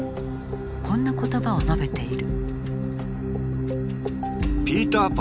こんな言葉を述べている。